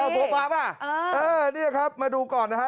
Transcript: เออพบป๊าป่ะเออนี่นะครับมาดูก่อนนะฮะ